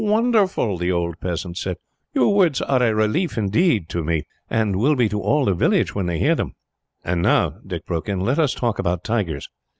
"Wonderful!" the old peasant said. "Your words are a relief, indeed, to me, and will be to all the village, when they hear them." "And now," Dick broke in, "let us talk about tigers.